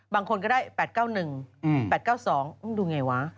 บางคนก็ได้๘๙๑๘๙๒ดูไงวะ